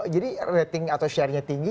rating atau share nya tinggi